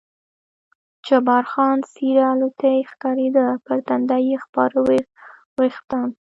جبار خان څېره الوتی ښکارېده، پر تندي یې خپاره وریښتان.